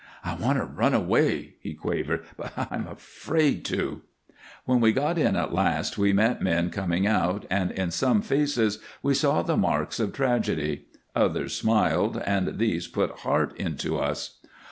"I want to run away," he quavered. "But I'm afraid to." When we got in at last we met men coming out, and in some faces we saw the marks of tragedy. Others smiled, and these put heart into us.